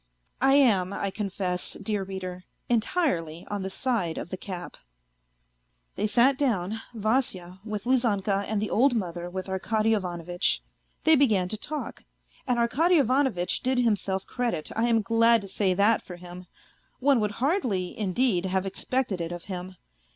I am, I confess, dear reader, entirely on the side of the cap. They sat down Vasya with Lizanka and the old mother with Arkady Ivanovitch ; they began to talk, and Arkady Ivanovitch. did himself credit, I am glad to say that for him. One would hardly, indeed, have expected it of him.